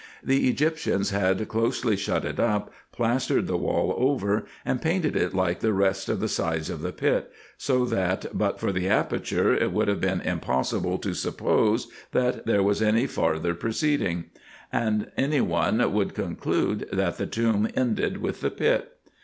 The Egyptians had closely shut it up, plastered the wall over, and painted it like the rest of the sides of the pit, so that but for the aperture, it would have been impossible to suppose, that there was any farther proceeding ; and any one would conclude, that the tomb ended with the pit.